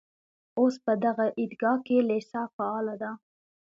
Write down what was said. اوس په دغه عیدګاه کې لېسه فعاله ده.